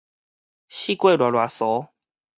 四界賴賴趖